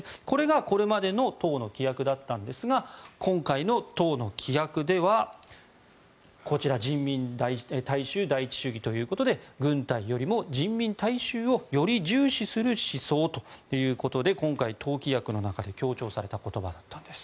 これが党の規約だったんですが今回の党の規約では人民大衆第一主義ということで軍隊よりも人民大衆をより重視する思想ということで今回、党規約の中で強調されたことです。